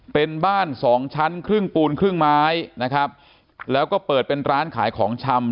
เป็นบ้านสองชั้นครึ่งปูนครึ่งไม้นะครับแล้วก็เปิดเป็นร้านขายของชำ